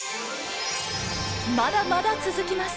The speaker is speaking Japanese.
まだまだ続きます！